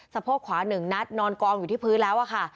โพกขวา๑นัดนอนกองอยู่ที่พื้นแล้วอะค่ะ